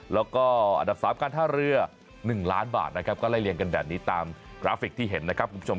แล้วก็อันดับ๓การท่าเรือ๑ล้านบาทนะครับก็ไล่เลี่ยงกันแบบนี้ตามกราฟิกที่เห็นนะครับคุณผู้ชม